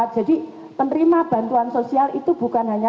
jadi penerima bantuan sosial itu bukan hanya